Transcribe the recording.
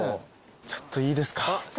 ちょっといいですか。